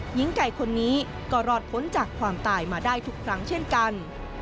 หญิงไก่คนนี้ก็รอดพ้นจากความตายมาได้ทุกครั้งเช่นกัน